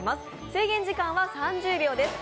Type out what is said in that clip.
制限時間は３０秒です。